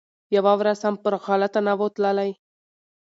یوه ورځ هم پر غلطه نه وو تللی